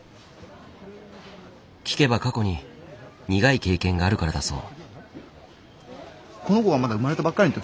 聞けば過去に苦い経験があるからだそう。